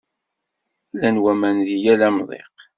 Llan waman deg yal amḍiq.